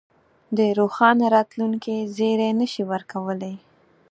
د روښانه راتلونکې زېری نه شي ورکولای.